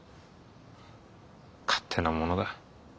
勝手なものだ。